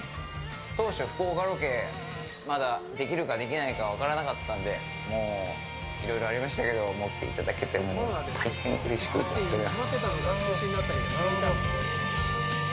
当初、福岡ロケまだできるかできないか分からなかったのでいろいろありましたけど来ていただけて大変うれしく思っております。